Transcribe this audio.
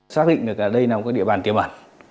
xác định được là đây là một địa bàn